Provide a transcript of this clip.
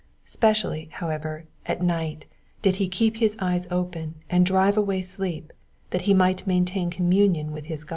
Specially, however, at night did he keep his eyes open, and drive away sleep, that he might maintain communion with his God.